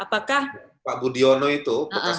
pak budiono itu